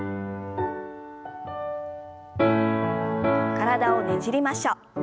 体をねじりましょう。